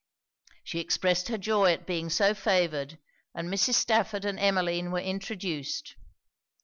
She expressed her joy at being so favoured, and Mrs. Stafford and Emmeline were introduced.